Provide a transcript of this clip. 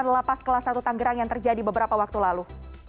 lepas kelas satu tangerang yang terjadi beberapa waktu lalu